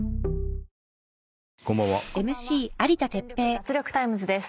脱力タイムズ』です。